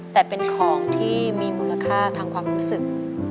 แต่เป็นของที่มีมูลค่าทางความรู้สึก